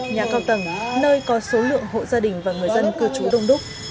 nhà cao tầng nơi có số lượng hộ gia đình và người dân cư trú đông đúc